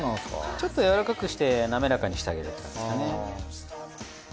ちょっとやわらかくして滑らかにしたりだとかですかね。